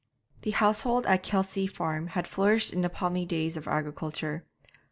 The household at Kelsey Farm had flourished in the palmy days of agriculture.